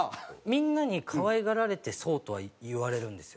みんなに可愛がられてそうとは言われるんですよ。